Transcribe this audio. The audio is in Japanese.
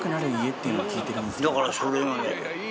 だからそれがね。